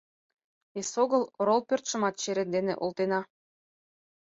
Эсогыл орол пӧртшымат черет дене олтена.